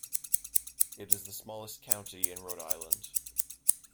It is the smallest county in Rhode Island.